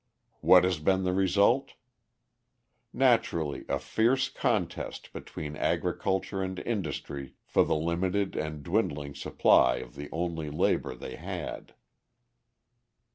What has been the result? Naturally a fierce contest between agriculture and industry for the limited and dwindling supply of the only labour they had.